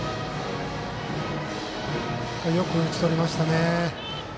よく打ち取りましたね。